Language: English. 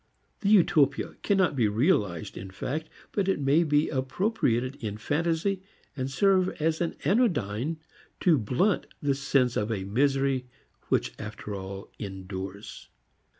The utopia cannot be realized in fact but it may be appropriated in fantasy and serve as an anodyne to blunt the sense of a misery which after all endures.